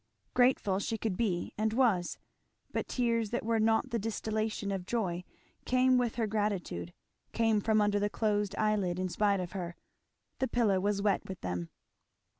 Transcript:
Grateful she could be and was; but tears that were not the distillation of joy came with her gratitude; came from under the closed eyelid in spite of her; the pillow was wet with them.